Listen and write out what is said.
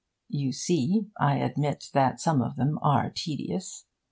You see, I admit that some of them are tedious.